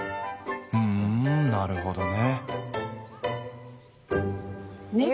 ふんなるほどね。